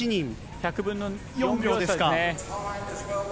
１００分の４秒ですか。